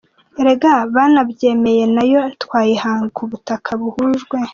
Erega banabyemeye na yo twayahinga ku butaka buhujwe.